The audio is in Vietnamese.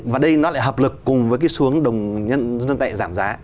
và đây nó lại hợp lực cùng với xuống nhân dân tệ giảm giá